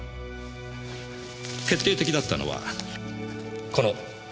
決定的だったのはこのメモです。